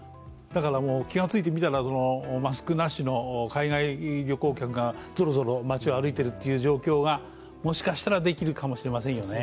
気がついてみたら、マスクなしの海外旅行客がぞろそろ街を歩いてるという状況がもしかしたらできるかもしれないですよね。